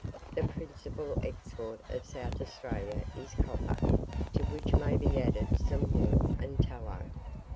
The principal export of South Australia is copper, to which may be added some wool and tallow.